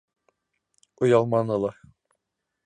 Оялманы ла.